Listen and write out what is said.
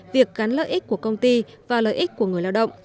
việc gắn lợi ích của công ty và lợi ích của người lao động